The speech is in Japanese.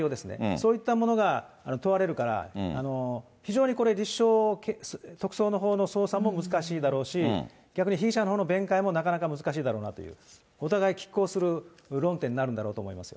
そういったものが問われるから、非常にこれ、立証、特捜のほうの捜査も難しいだろうし、逆に被疑者のほうの弁解もなかなか難しいだろうなと、お互いきっ抗する論点になるんだろうと思います。